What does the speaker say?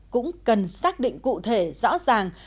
cũng cần xác định cụ thể rõ ràng